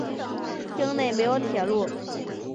町内没有铁路。